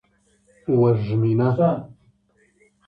وږمینه